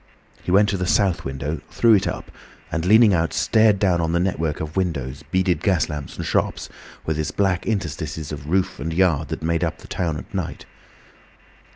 He went to the south window, threw it up, and leaning out stared down on the network of windows, beaded gas lamps and shops, with its black interstices of roof and yard that made up the town at night.